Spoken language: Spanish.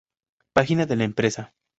Página de la empresa